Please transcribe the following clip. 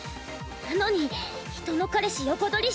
なのに人の彼氏横取りして。